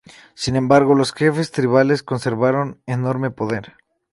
Sin embargo, los jefes tribales conservaron enorme poder.